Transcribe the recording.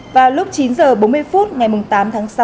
vào lúc chín h bốn mươi phút ngày tám tháng sáu